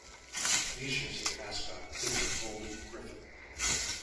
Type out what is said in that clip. Canisius' mascot is the Golden Griffin.